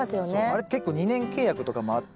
あれ結構２年契約とかもあって。